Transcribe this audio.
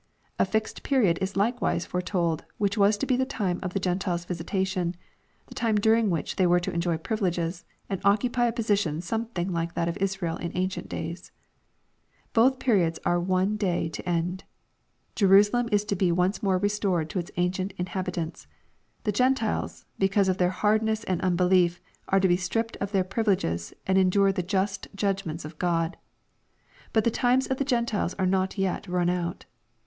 Afixedperiod is likewise foretold which was to be the time of the Gentiles' visitation, the time during which they were to enjoy privileges, and occupy a position something like that of Israel in ancient days. — Both periods are one day to end. Jerusalem is to be once more restored to its ancient inhabitants. The Gentiles, because of their hardness and unbelief, are to be stript of their privileges and endure the just judgments of God. But the times of the Gentiles are not yet run out.